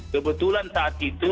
kebetulan saat itu